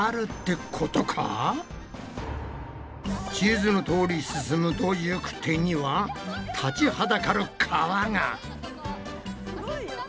地図のとおり進むと行く手には立ちはだかる川が！